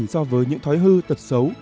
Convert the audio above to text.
so với những thói hư tật xấu